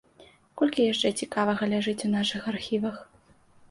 Колькі яшчэ цікавага ляжыць у нашых архівах.